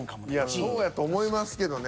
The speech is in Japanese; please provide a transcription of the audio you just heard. そうやと思いますけどね。